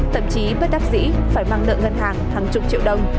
tậm chí bất đắc dĩ phải mang lợi ngân hàng hàng chục triệu đồng